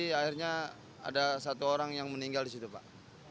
jadi akhirnya ada satu orang yang meninggal disitu pak